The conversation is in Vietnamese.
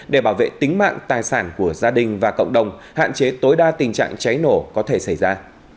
để bảo vệ tính mạng tài sản của gia đình và cộng đồng hạn chế tối đa tình trạng cháy nổ có thể xảy ra